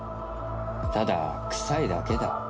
ただ臭いだけだ。